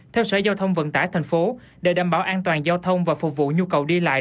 theo sở giao thông vận tải thành phố để đảm bảo an toàn giao thông và phục vụ nhu cầu đi lại